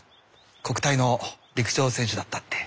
国体の陸上選手だったって。